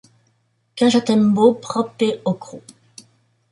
Cajatambo, prope Ocros.